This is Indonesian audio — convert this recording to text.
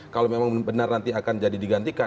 kalau memang benar nanti akan jadi digantikan